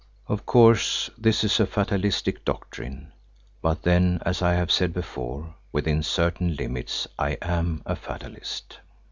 Of course this is a fatalistic doctrine, but then, as I have said before, within certain limits I am a fatalist.